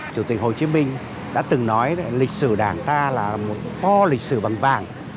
chủ tịch hồ chí minh đã từng nói lịch sử đảng ta là một kho lịch sử bằng vàng